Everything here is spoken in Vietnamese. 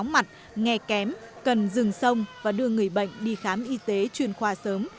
mặt nghe kém cần dừng sông và đưa người bệnh đi khám y tế chuyên khoa sớm